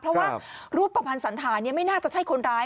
เพราะว่ารูปประพันธ์สันฐานไม่น่าจะใช่คนร้าย